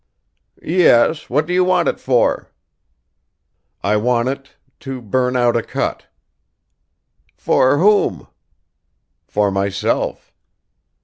"Yes; what do you want it for?" "I want it ... to burn out a cut." "For whom?" "For myself."